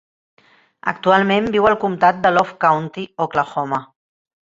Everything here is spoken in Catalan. Actualment viu al comtat de Love County, Oklahoma.